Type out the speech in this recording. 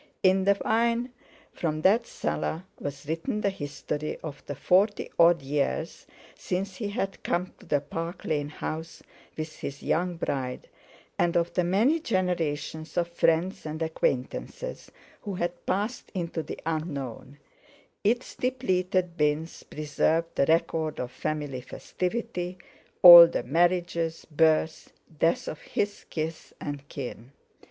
In the wine from that cellar was written the history of the forty odd years since he had come to the Park Lane house with his young bride, and of the many generations of friends and acquaintances who had passed into the unknown; its depleted bins preserved the record of family festivity—all the marriages, births, deaths of his kith and kin.